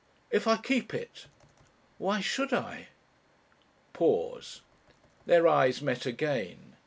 "If I keep it?" "Why should I?" Pause. Their eyes met again.